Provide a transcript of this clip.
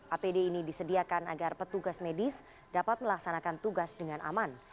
apd ini disediakan agar petugas medis dapat melaksanakan tugas dengan aman